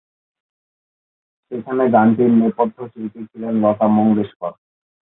সেখানে গানটির নেপথ্য শিল্পী ছিলেন লতা মঙ্গেশকর।